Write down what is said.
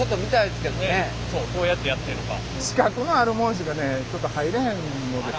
どうやってやってんのか。